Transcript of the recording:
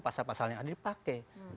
pasal pasalnya yang dipakai